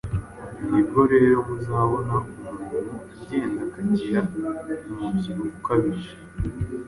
Ni bwo rero muzabona umuntu agenda akagira umubyibuho ukabije.